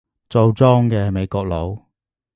做莊嘅係美國佬